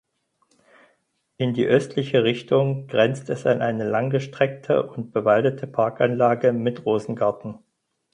In die östliche Richtung grenzt es an eine langgestreckte und bewaldete Parkanlage mit Rosengarten.